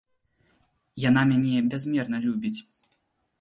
Яна мяне бязмерна любіць.